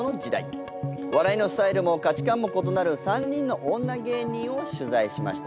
笑いのスタイルも価値観も異なる３人の女芸人を取材しました。